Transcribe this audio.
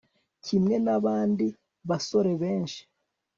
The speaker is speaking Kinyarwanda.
kimwe nabandi basore benshi